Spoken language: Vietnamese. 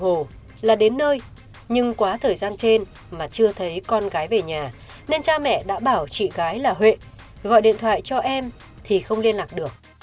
hồ là đến nơi nhưng quá thời gian trên mà chưa thấy con gái về nhà nên cha mẹ đã bảo chị gái là huệ gọi điện thoại cho em thì không liên lạc được